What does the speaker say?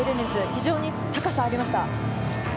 非常に高さがありました。